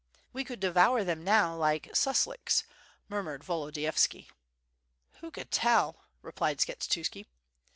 '^"e could devour them now like susliks," murmured Volo diyovski. "Who can tell," replied Skshetuski.